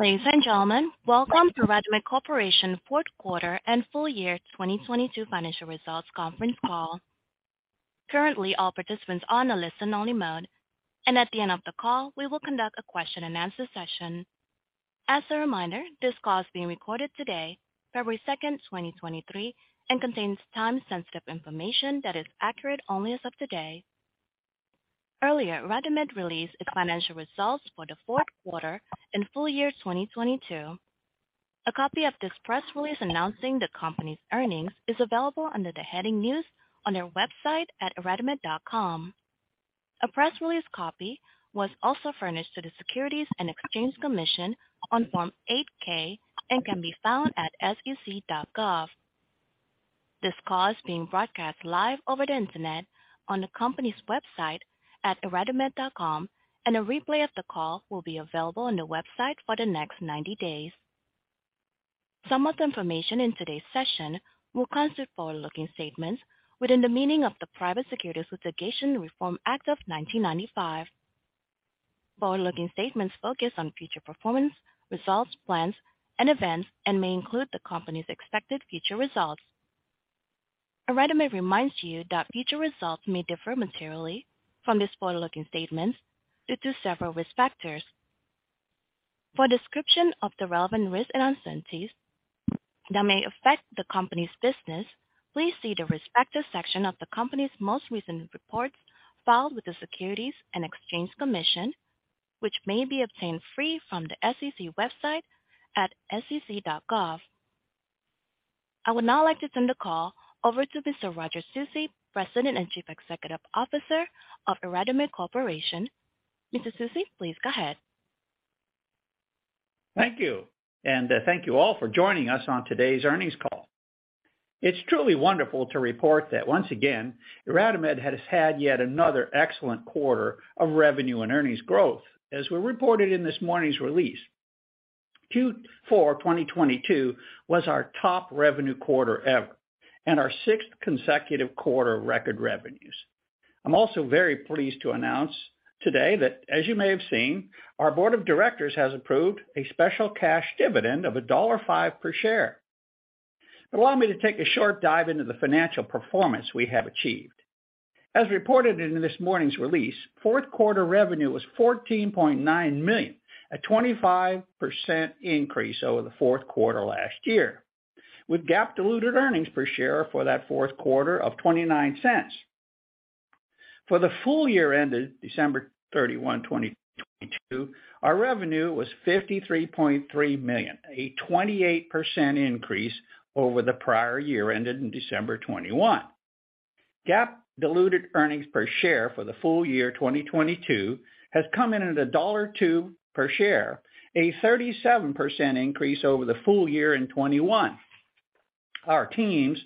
Ladies and gentlemen, welcome to IRadimed Corporation fourth quarter and full year 2022 financial results conference call. Currently all participants on a listen only mode and at the end of the call we will conduct a question-and-answer session. As a reminder, this call is being recorded today, February 2, 2023, and contains time sensitive information that is accurate only as of today. Earlier, IRadimed released its financial results for the fourth quarter and full year 2022. A copy of this press release announcing the company's earnings is available under the heading News on their website at iradimed.com. A press release copy was also furnished to the Securities and Exchange Commission on Form 8-K and can be found at sec.gov. This call is being broadcast live over the Internet on the company's website at iradimed.com. A replay of the call will be available on the website for the next 90 days. Some of the information in today's session will constitute forward-looking statements within the meaning of the Private Securities Litigation Reform Act of 1995. Forward-looking statements focus on future performance, results, plans and events and may include the company's expected future results. IRadimed reminds you that future results may differ materially from these forward-looking statements due to several risk factors. For a description of the relevant risks and uncertainties that may affect the company's business, please see the respective section of the company's most recent reports filed with the Securities and Exchange Commission, which may be obtained free from the SEC website at sec.gov. I would now like to turn the call over to Mr. Roger Susi, President and Chief Executive Officer of IRadimed Corporation. Mr. Susi, please go ahead. Thank you, thank you all for joining us on today's earnings call. It's truly wonderful to report that once again, IRadimed has had yet another excellent quarter of revenue and earnings growth. As we reported in this morning's release, Q4 2022 was our top revenue quarter ever and our sixth consecutive quarter of record revenues. I'm also very pleased to announce today that, as you may have seen, our board of directors has approved a special cash dividend of $1.05 per share. Allow me to take a short dive into the financial performance we have achieved. As reported in this morning's release, fourth quarter revenue was $14.9 million, a 25% increase over the fourth quarter last year, with GAAP diluted earnings per share for that fourth quarter of $0.29. For the full year ended December 31, 2022, our revenue was $53.3 million, a 28% increase over the prior year ended in December 2021. GAAP diluted earnings per share for the full year 2022 has come in at $1.02 per share, a 37% increase over the full year in 2021. Our teams,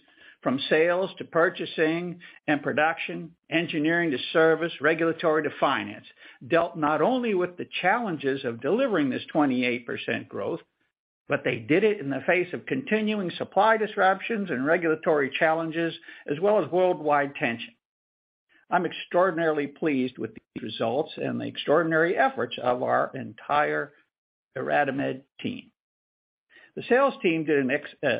from sales to purchasing and production, engineering to service, regulatory to finance, dealt not only with the challenges of delivering this 28% growth, but they did it in the face of continuing supply disruptions and regulatory challenges as well as worldwide tension. I'm extraordinarily pleased with these results and the extraordinary efforts of our entire IRadimed team. The sales team did an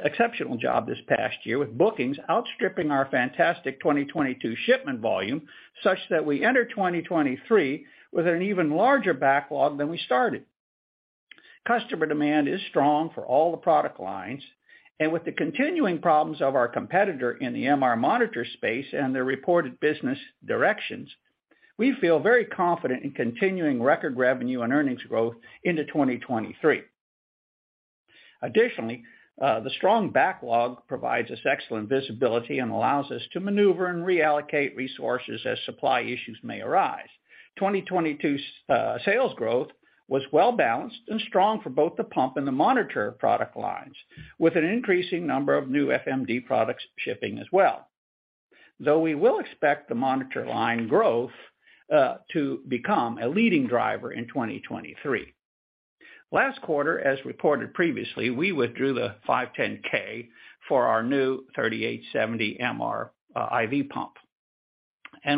exceptional job this past year, with bookings outstripping our fantastic 2022 shipment volume, such that we enter 2023 with an even larger backlog than we started. Customer demand is strong for all the product lines, and with the continuing problems of our competitor in the MR monitor space and their reported business directions, we feel very confident in continuing record revenue and earnings growth into 2023. Additionally, the strong backlog provides us excellent visibility and allows us to maneuver and reallocate resources as supply issues may arise. 2022's sales growth was well-balanced and strong for both the pump and the Monitor product lines, with an increasing number of new FMD products shipping as well. Though we will expect the Monitor line growth to become a leading driver in 2023. Last quarter, as reported previously, we withdrew the 510(k) for our new 3870 MRI IV pump,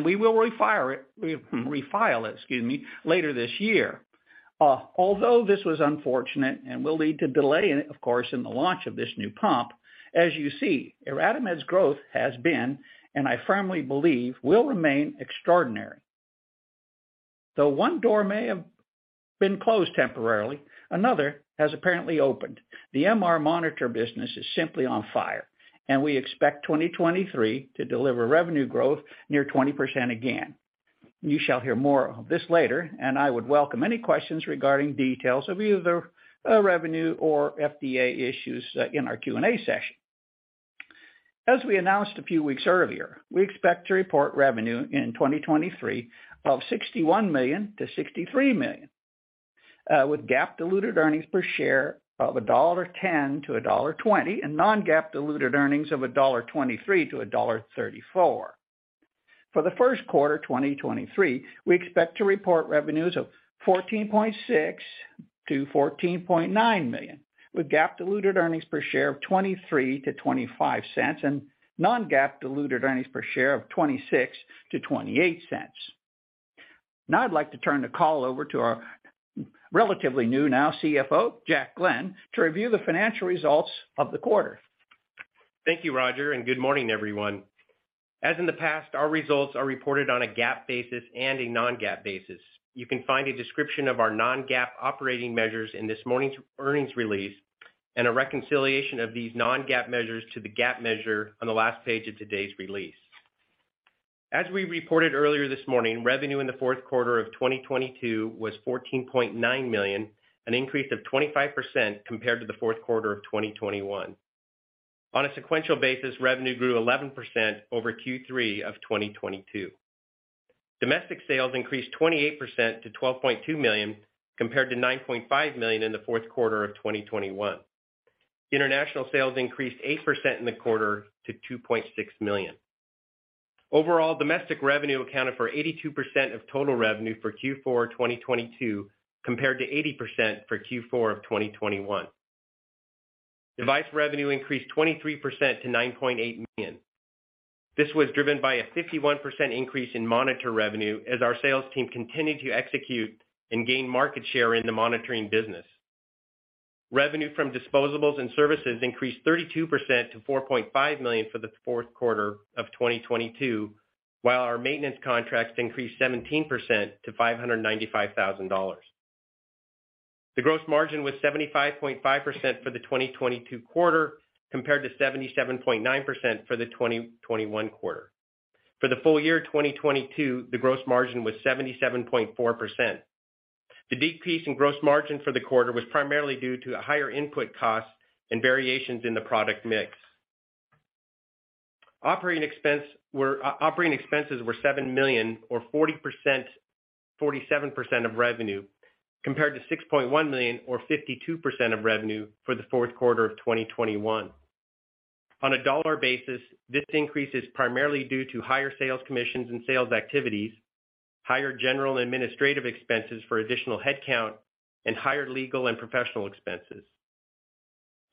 we will refile it, excuse me, later this year. This was unfortunate and will lead to delay in the launch of this new pump, as you see, IRadimed's growth has been, and I firmly believe will remain extraordinary. One door may have been closed temporarily, another has apparently opened. The MRI Patient Monitoring business is simply on fire and we expect 2023 to deliver revenue growth near 20% again. You shall hear more of this later, and I would welcome any questions regarding details of either our revenue or FDA issues in our Q&A session. As we announced a few weeks earlier, we expect to report revenue in 2023 of $61 million-$63 million, with GAAP diluted earnings per share of $1.10-$1.20, and non-GAAP diluted earnings of $1.23-$1.34. For the first quarter 2023, we expect to report revenues of $14.6 million-$14.9 million, with GAAP diluted earnings per share of $0.23-$0.25 and non-GAAP diluted earnings per share of $0.26-$0.28. I'd like to turn the call over to our relatively new now CFO, Jack Glenn, to review the financial results of the quarter. Thank you, Roger, and good morning, everyone. As in the past, our results are reported on a GAAP basis and a non-GAAP basis. You can find a description of our non-GAAP operating measures in this morning's earnings release and a reconciliation of these non-GAAP measures to the GAAP measure on the last page of today's release. As we reported earlier this morning, revenue in the fourth quarter of 2022 was $14.9 million, an increase of 25% compared to the fourth quarter of 2021. On a sequential basis, revenue grew 11% over Q3 of 2022. Domestic sales increased 28% to $12.2 million, compared to $9.5 million in the fourth quarter of 2021. International sales increased 8% in the quarter to $2.6 million. Overall, domestic revenue accounted for 82% of total revenue for Q4 2022, compared to 80% for Q4 of 2021. Device revenue increased 23% to $9.8 million. This was driven by a 51% increase in monitor revenue as our sales team continued to execute and gain market share in the monitoring business. Revenue from disposables and services increased 32% to $4.5 million for the fourth quarter of 2022, while our maintenance contracts increased 17% to $595,000. The gross margin was 75.5% for the 2022 quarter, compared to 77.9% for the 2021 quarter. For the full year 2022, the gross margin was 77.4%. The decrease in gross margin for the quarter was primarily due to higher input costs and variations in the product mix. Operating expenses were $7 million or 47% of revenue, compared to $6.1 million or 52% of revenue for the fourth quarter of 2021. On a dollar basis, this increase is primarily due to higher sales commissions and sales activities, higher general and administrative expenses for additional headcount, and higher legal and professional expenses.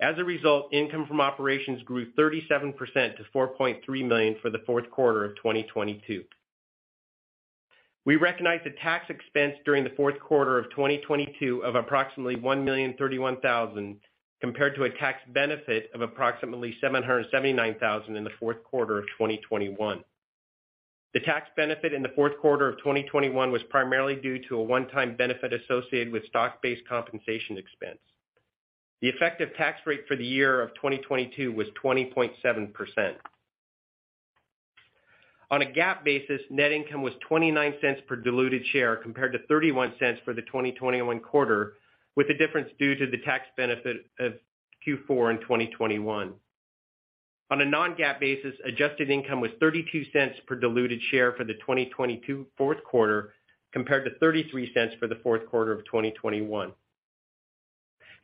As a result, income from operations grew 37% to $4.3 million for the fourth quarter of 2022. We recognized a tax expense during the fourth quarter of 2022 of approximately $1,031,000, compared to a tax benefit of approximately $779,000 in the fourth quarter of 2021. The tax benefit in the fourth quarter of 2021 was primarily due to a one-time benefit associated with stock-based compensation expense. The effective tax rate for the year of 2022 was 20.7%. On a GAAP basis, net income was $0.29 per diluted share, compared to $0.31 for the 2021 quarter, with the difference due to the tax benefit of Q4 in 2021. On a non-GAAP basis, adjusted income was $0.32 per diluted share for the 2022 fourth quarter, compared to $0.33 for the fourth quarter of 2021.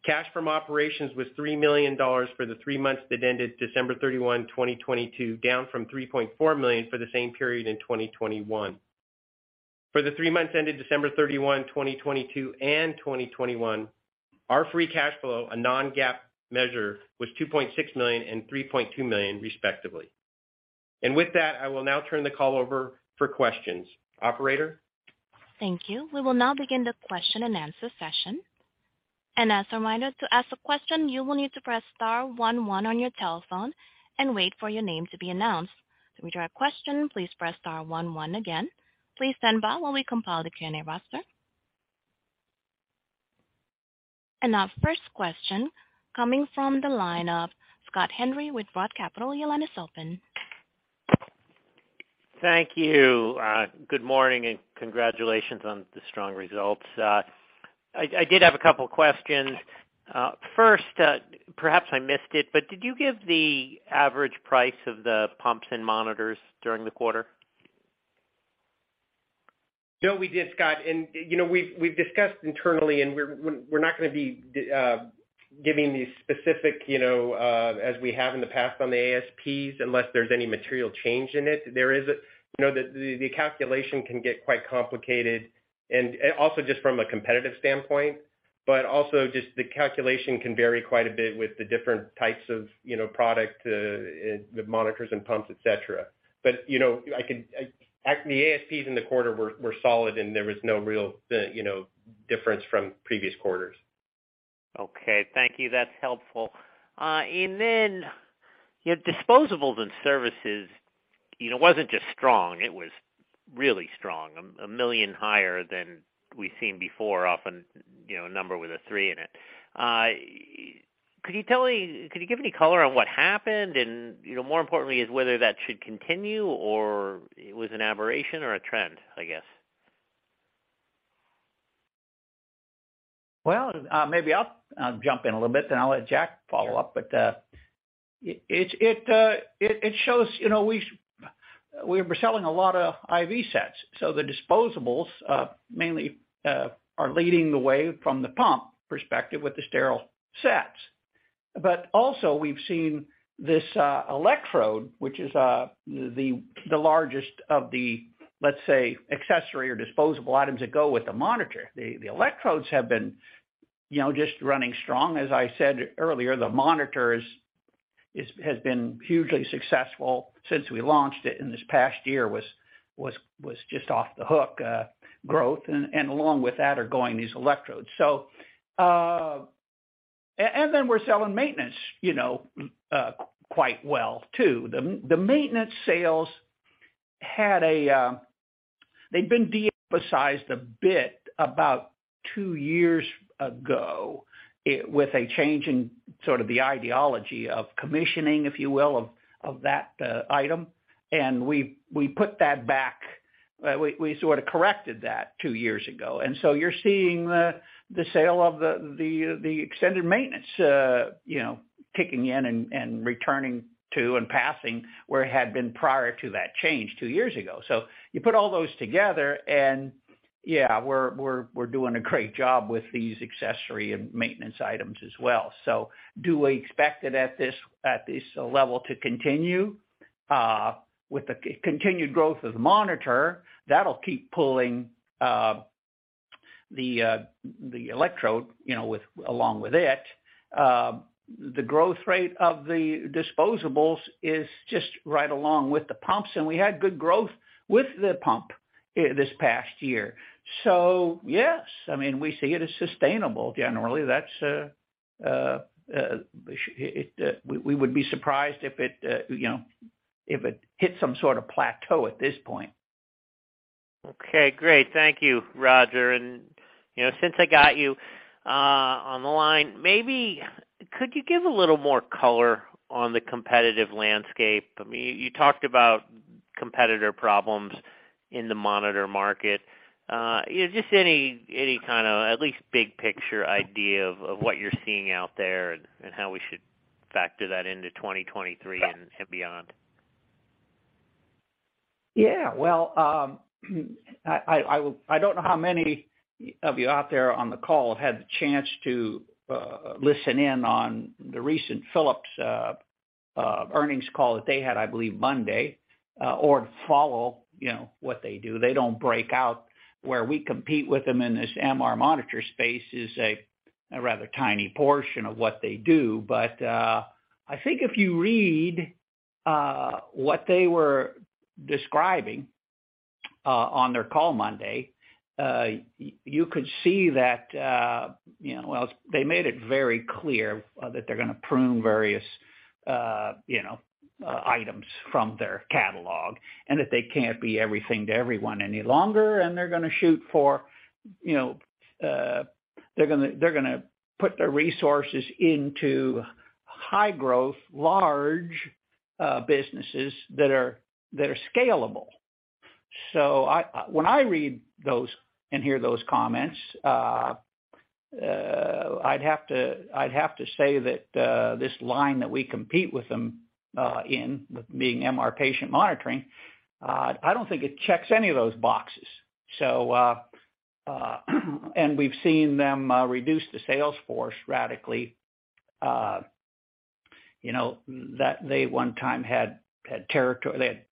Cash from operations was $3 million for the three months that ended December 31, 2022, down from $3.4 million for the same period in 2021. For the three months ended December 31, 2022 and 2021, our free cash flow, a non-GAAP measure, was $2.6 million and $3.2 million, respectively. With that, I will now turn the call over for questions. Operator? Thank you. We will now begin the question-and-answer session. As a reminder, to ask a question, you will need to press star one one on your telephone and wait for your name to be announced. To withdraw a question, please press star one one again. Please stand by while we compile the Q&A roster. Our first question coming from the line of Scott Henry with ROTH Capital. Your line is open. Thank you. Good morning, and congratulations on the strong results. I did have a couple questions. First, perhaps I missed it, but did you give the average price of the pumps and monitors during the quarter? No, we didn't, Scott. You know, we've discussed internally and we're not gonna be giving these specific, you know, as we have in the past on the ASPs unless there's any material change in it. There isn't. You know, the calculation can get quite complicated and also just from a competitive standpoint, but also just the calculation can vary quite a bit with the different types of, you know, product, the monitors and pumps, et cetera. You know, actually, the ASPs in the quarter were solid, and there was no real, you know, difference from previous quarters. Okay. Thank you. That's helpful. Then your disposables and services, you know, wasn't just strong, it was really strong. $1 million higher than we've seen before, often, you know, a number with a three in it. Could you give any color on what happened? You know, more importantly is whether that should continue or it was an aberration or a trend, I guess. Well, maybe I'll jump in a little bit, then I'll let Jack follow up. It shows, you know, we were selling a lot of IV sets, so the disposables mainly are leading the way from the pump perspective with the sterile sets. Also we've seen this electrode, which is the largest of the, let's say, accessory or disposable items that go with the monitor. The electrodes have been, you know, just running strong. As I said earlier, the monitors has been hugely successful since we launched it, and this past year was just off the hook growth. Along with that are going these electrodes. Then we're selling maintenance, you know, quite well too. The maintenance sales had a. They'd been de-emphasized a bit about two years ago with a change in sort of the ideology of commissioning, if you will, of that item. We put that back. We sort of corrected that two years ago. You're seeing the sale of the extended maintenance, you know, kicking in and returning to and passing where it had been prior to that change two years ago. You put all those together and, yeah, we're doing a great job with these accessory and maintenance items as well. Do we expect it at this level to continue? With the continued growth of the Monitor, that'll keep pulling the electrode, you know, along with it. The growth rate of the disposables is just right along with the pumps, and we had good growth with the pump this past year. Yes. I mean, we see it as sustainable generally. That's, we would be surprised if it, you know, if it hits some sort of plateau at this point. Okay, great. Thank you, Roger. You know, since I got you on the line, maybe could you give a little more color on the competitive landscape? I mean, you talked about competitor problems in the monitor market. Just any kind of at least big picture idea of what you're seeing out there and how we should factor that into 2023 and beyond. Yeah. Well, I don't know how many of you out there on the call had the chance to listen in on the recent Philips earnings call that they had, I believe Monday, or follow, you know, what they do. They don't break out. Where we compete with them in this MRI Patient Monitoring space is a rather tiny portion of what they do. I think if you read what they were describing on their call Monday, you could see that, you know, well, they made it very clear that they're gonna prune various, you know, items from their catalog, and that they can't be everything to everyone any longer, and they're gonna shoot for, you know, they're gonna put their resources into high growth, large, businesses that are, that are scalable. When I read those and hear those comments, I'd have to say that this line that we compete with them in being MRI Patient Monitoring, I don't think it checks any of those boxes. And we've seen them reduce the sales force radically, you know, that they one time had. They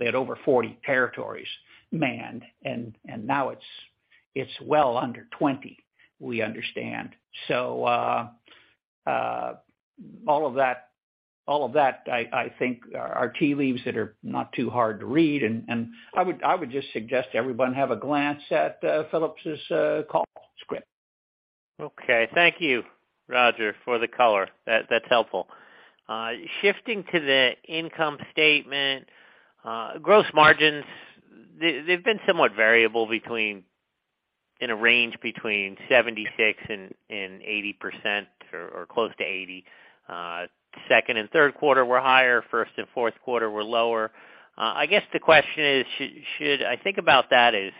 had over 40 territories manned, and now it's well under 20, we understand. All of that I think are tea leaves that are not too hard to read. I would just suggest everyone have a glance at Philips' call script. Okay. Thank you, Roger, for the color. That's helpful. Shifting to the income statement, gross margins, they've been somewhat variable in a range between 76% and 80% or close to 80%. Second and third quarter were higher, first and fourth quarter were lower. I guess the question is, should I think about that as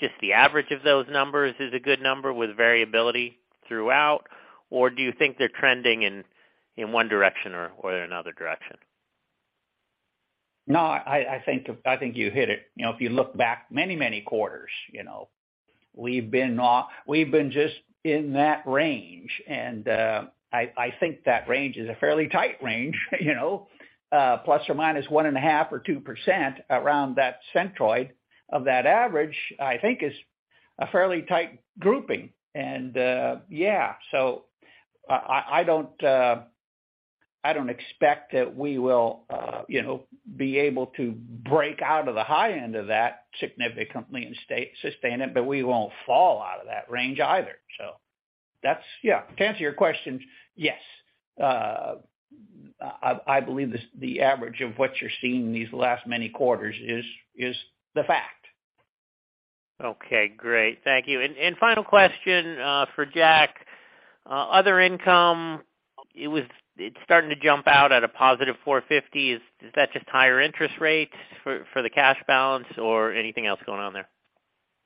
just the average of those numbers is a good number with variability throughout? Or do you think they're trending in one direction or another direction? No, I think you hit it. You know, if you look back many quarters, you know, we've been just in that range. I think that range is a fairly tight range, you know? Plus or minus 1.5% or 2% around that centroid of that average, I think is a fairly tight grouping. Yeah. I don't expect that we will, you know, be able to break out of the high end of that significantly and sustain it, but we won't fall out of that range either. That's, yeah. To answer your question, yes, I believe the average of what you're seeing in these last many quarters is the fact. Okay, great. Thank you. Final question for Jack. Other income, it's starting to jump out at a positive $4.50. Is that just higher interest rates for the cash balance or anything else going on there?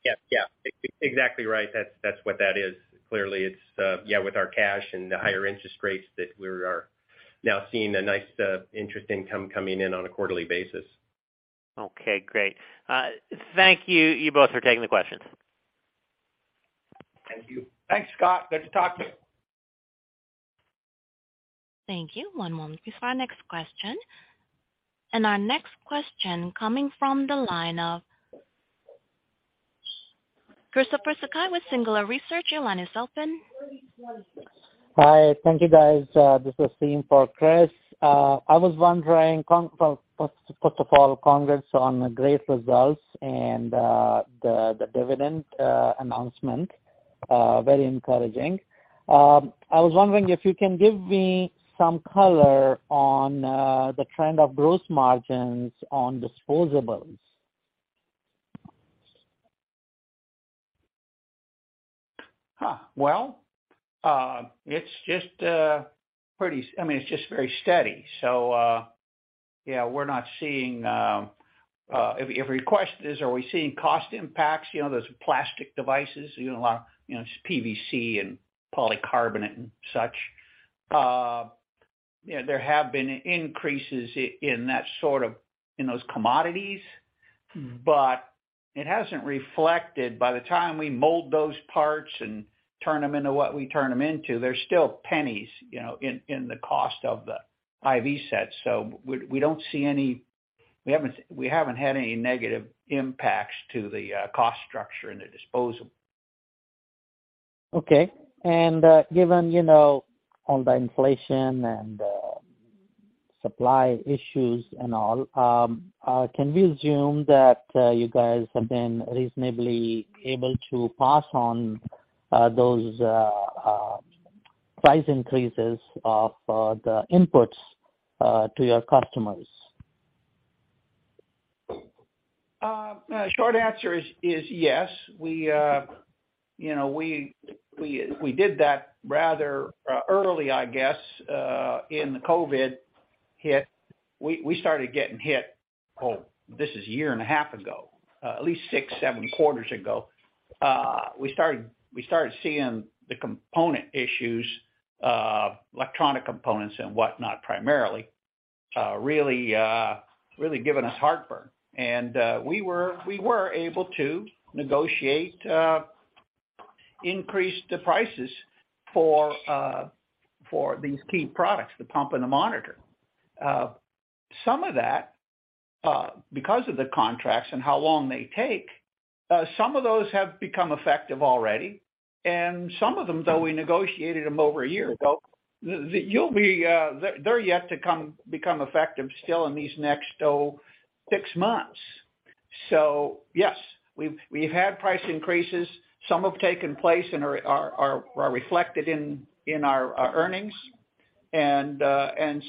Yeah. Yeah, exactly right. That's what that is. Clearly, it's, yeah, with our cash and the higher interest rates that we are now seeing a nice, interest income coming in on a quarterly basis. Okay, great. Thank you both for taking the questions. Thank you. Thanks, Scott. Good to talk to you. Thank you. One moment please for our next question. Our next question coming from the line of Chris with Singular Research. Your line is open. Hi. Thank you, guys. This is Steve for Chris. I was wondering first of all, congrats on the great results and the dividend announcement, very encouraging. I was wondering if you can give me some color on the trend of gross margins on disposables. Huh. I mean, it's just very steady. Yeah, we're not seeing, if your request is are we seeing cost impacts, you know, those plastic devices, you know, PVC and polycarbonate and such. You know, there have been increases in those commodities. Mm-hmm. It hasn't reflected. By the time we mold those parts and turn them into what we turn them into, they're still pennies, you know, in the cost of the IV set. We don't see any. We haven't had any negative impacts to the cost structure in the disposable. Okay. Given, you know, on the inflation and supply issues and all, can we assume that you guys have been reasonably able to pass on those price increases of the inputs to your customers? Short answer is yes. We, you know, we did that rather early, I guess, in the COVID hit. We started getting hit, this is a year and a half ago, at least six, seven quarters ago. We started seeing the component issues, electronic components and whatnot primarily, really giving us heartburn. We were able to negotiate increase the prices for these key products, the pump and the monitor. Some of that, because of the contracts and how long they take, some of those have become effective already, and some of them, though we negotiated them over one year ago, they're yet to become effective still in these next six months. Yes, we've had price increases. Some have taken place and are reflected in our earnings.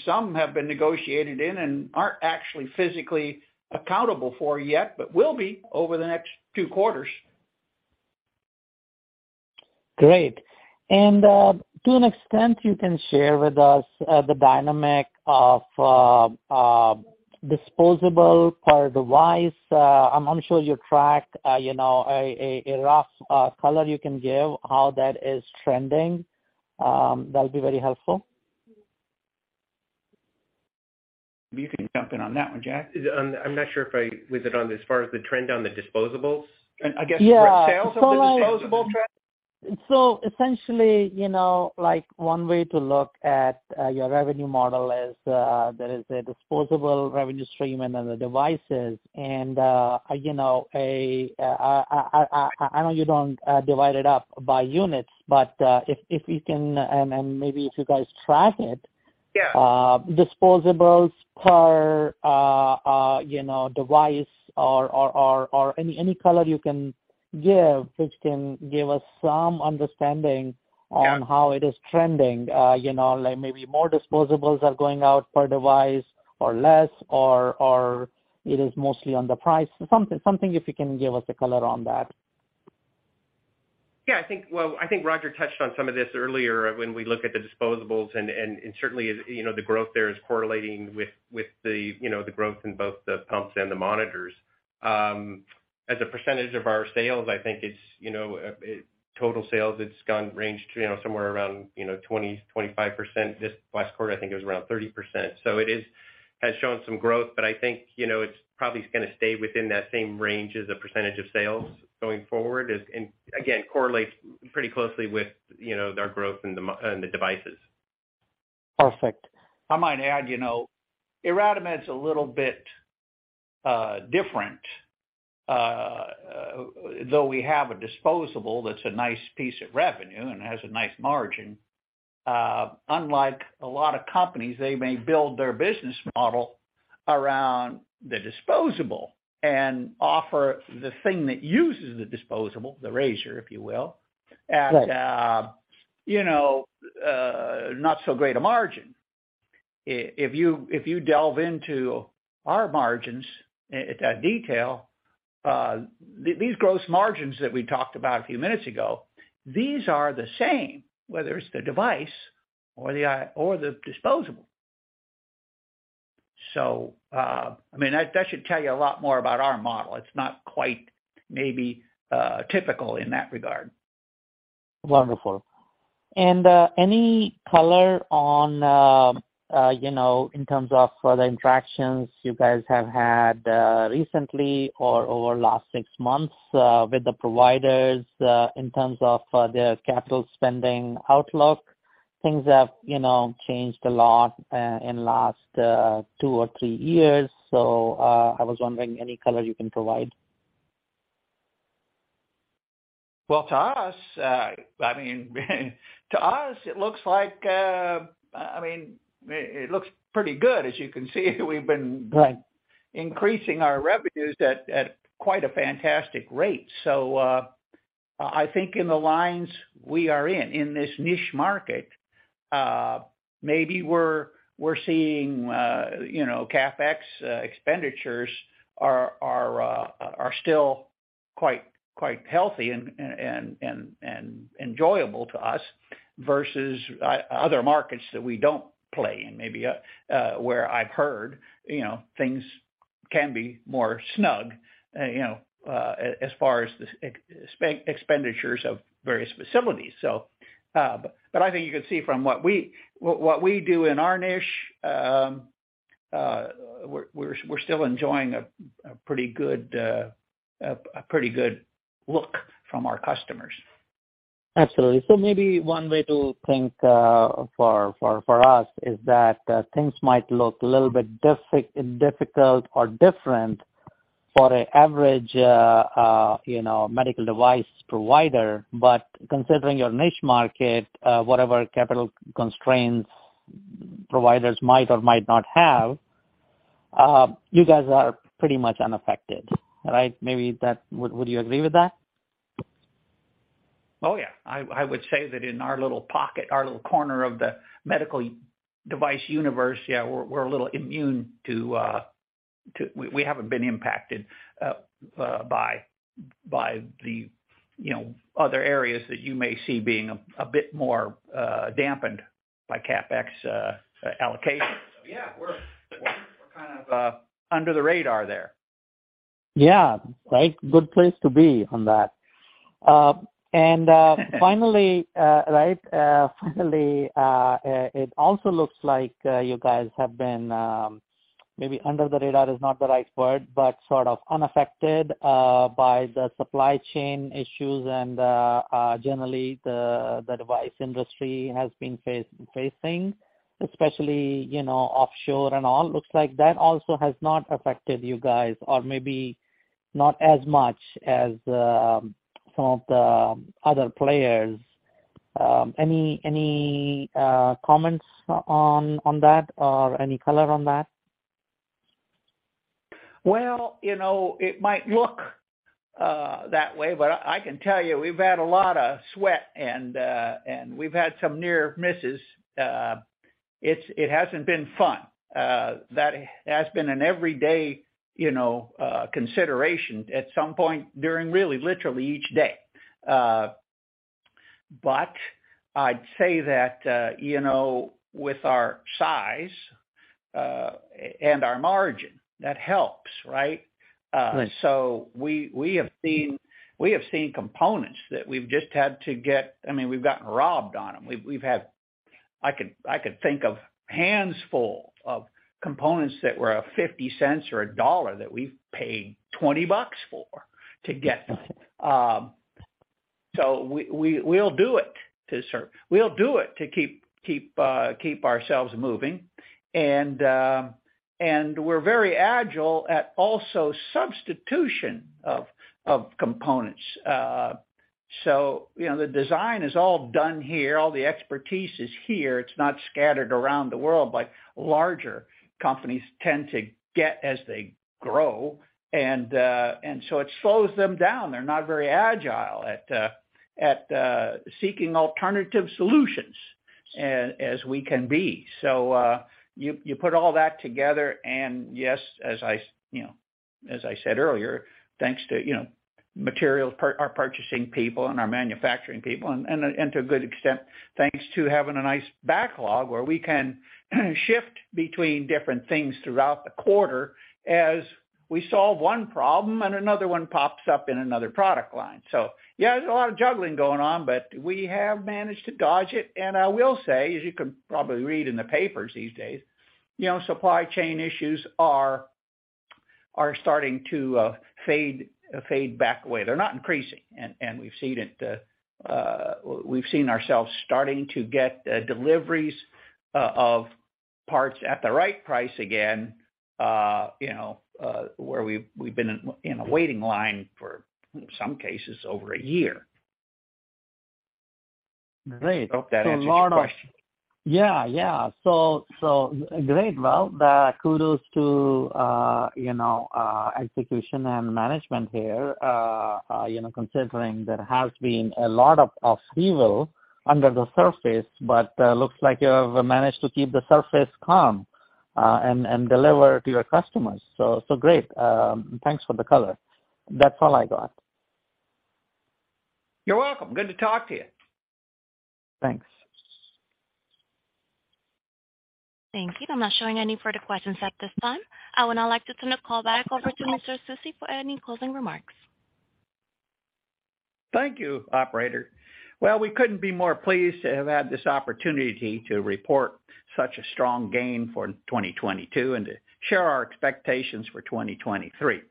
Some have been negotiated in and aren't actually physically accountable for yet, but will be over the next two quarters. Great. To an extent you can share with us, the dynamic of disposable per device, I'm sure you track, you know, a rough color you can give how that is trending, that'll be very helpful. You can jump in on that one, Jack. Was it on as far as the trend on the disposables? I guess. Yeah. For sales of the disposable trend. Essentially, you know, like, one way to look at your revenue model is there is a disposable revenue stream and then the devices and, you know, I know you don't divide it up by units, but, if you can and maybe if you guys track it. Yeah. disposables per, you know, device or any color you can give which can give us some understanding. Yeah. -on how it is trending. You know, like maybe more disposables are going out per device or less or it is mostly on the price. Something if you can give us a color on that. Yeah, I think, well, I think Roger touched on some of this earlier when we looked at the disposables and certainly, you know, the growth there is correlating with the, you know, the growth in both the pumps and the monitors. As a percentage of our sales, I think it's, you know, total sales, it's gone range, you know, somewhere around, you know, 20%-25%. This last quarter, I think it was around 30%. It has shown some growth, but I think, you know, it's probably gonna stay within that same range as a percentage of sales going forward. It and again, correlates pretty closely with, you know, our growth in the devices. Perfect. I might add, you know, IRadimed's a little bit different. Though we have a disposable that's a nice piece of revenue and has a nice margin, unlike a lot of companies, they may build their business model around the disposable and offer the thing that uses the disposable, the razor, if you will. Right. -at, you know, not so great a margin. If you delve into our margins at detail, these gross margins that we talked about a few minutes ago, these are the same, whether it's the device or the disposable. I mean, that should tell you a lot more about our model. It's not quite maybe typical in that regard. Wonderful. Any color on, you know, in terms of the interactions you guys have had, recently or over last six months, with the providers, in terms of their capital spending outlook? Things have, you know, changed a lot, in last two or three years. I was wondering any color you can provide. To us, I mean, to us, it looks like, I mean, it looks pretty good. As you can see. Right -increasing our revenues at quite a fantastic rate. I think in the lines we are in this niche market, maybe we're seeing, you know, CapEx expenditures are still quite healthy and enjoyable to us versus other markets that we don't play in, maybe, where I've heard, you know, things can be more snug, you know, as far as the expenditures of various facilities. I think you can see from what we do in our niche, we're still enjoying a pretty good look from our customers. Absolutely. Maybe one way to think for us is that things might look a little bit difficult or different for an average, you know, medical device provider, but considering your niche market, whatever capital constraints providers might or might not have, you guys are pretty much unaffected, right? Maybe that. Would you agree with that? Oh, yeah. I would say that in our little pocket, our little corner of the medical device universe, yeah, we're a little immune to. We haven't been impacted by the, you know, other areas that you may see being a bit more dampened by CapEx allocations. Yeah, we're kind of under the radar there. Yeah, right. Good place to be on that. Finally, right, finally, it also looks like you guys have been, maybe under the radar is not the right word, but sort of unaffected by the supply chain issues and, generally, the device industry has been facing, especially, you know, offshore and all. Looks like that also has not affected you guys or maybe not as much as some of the other players. Any comments on that or any color on that? Well, you know, it might look that way, but I can tell you we've had a lot of sweat and we've had some near misses. It hasn't been fun. That has been an everyday, you know, consideration at some point during really, literally each day. I'd say that, you know, with our size, and our margin, that helps, right? Right. We have seen components that we've just had to get. I mean, we've gotten robbed on them. We've had, I could think of hands full of components that were $0.50 or $1 that we've paid $20 for to get them. We'll do it to serve. We'll do it to keep ourselves moving. We're very agile at also substitution of components. You know, the design is all done here, all the expertise is here. It's not scattered around the world, but larger companies tend to get as they grow. It slows them down. They're not very agile at seeking alternative solutions as we can be. You put all that together and yes, as I, you know, as I said earlier, thanks to, you know, materials our purchasing people and our manufacturing people, and to a good extent, thanks to having a nice backlog where we can shift between different things throughout the quarter as we solve one problem and another one pops up in another product line. Yeah, there's a lot of juggling going on, but we have managed to dodge it. I will say, as you can probably read in the papers these days, you know, supply chain issues are starting to fade back away. They're not increasing. We've seen it. We've seen ourselves starting to get deliveries of parts at the right price again, you know, where we've been in a waiting line for some cases over 1 year. Great. Hope that answers your question. Yeah. Yeah. Great. Well, the kudos to, you know, execution and management here, you know, considering there has been a lot of fever under the surface, looks like you have managed to keep the surface calm, and deliver to your customers. Great. Thanks for the color. That's all I got. You're welcome. Good to talk to you. Thanks. Thank you. I'm not showing any further questions at this time. I would now like to turn the call back over to Mr. Susi for any closing remarks. Thank you, operator. We couldn't be more pleased to have had this opportunity to report such a strong gain for 2022 and to share our expectations for 2023.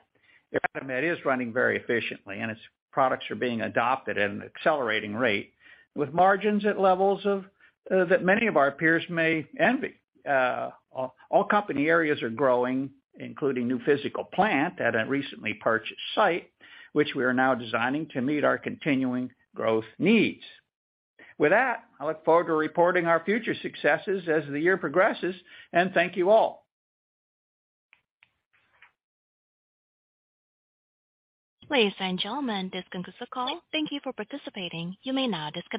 The company is running very efficiently, and its products are being adopted at an accelerating rate, with margins at levels of that many of our peers may envy. All company areas are growing, including new physical plant at a recently purchased site, which we are now designing to meet our continuing growth needs. I look forward to reporting our future successes as the year progresses, and thank you all. Ladies and gentlemen, this concludes the call. Thank you for participating. You may now disconnect.